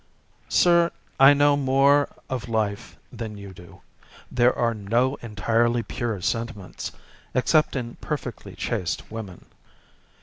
"Sir, I know more of life than you do. There are no entirely pure sentiments except in perfectly chaste women.